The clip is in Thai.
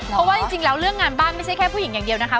เพราะว่าจริงแล้วเรื่องงานบ้านไม่ใช่แค่ผู้หญิงอย่างเดียวนะคะ